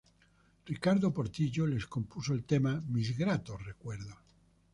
Ricardo Portillo le compuso el tema "Mis gratos recuerdos.